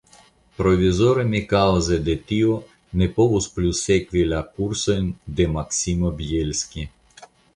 Provizore mi kaŭze de tio ne povus plu sekvi la kursojn de Maksimo Bjelski.